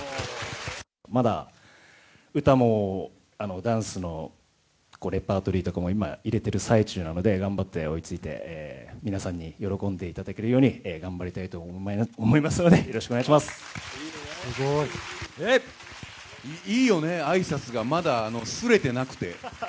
まだ歌も、ダンスのレパートリーとかも今、入れてる最中なので、頑張って追いついて、皆さんに喜んでいただけるように頑張りたいと思いますので、よろしくお願いいいよね、あいさつがまだすれてなくて。